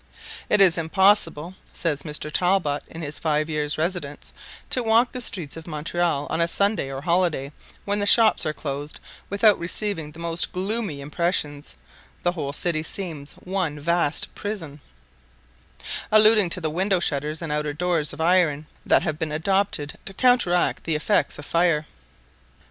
"It is impossible (says Mr. Talbot, in his Five Years' Residence) to walk the streets of Montreal on a Sunday or holiday, when the shops are closed, without receiving the most gloomy impressions; the whole city seems one vast prison;" alluding to the window shutters and outer doors of iron, that have been adopted to counteract the effects of fire.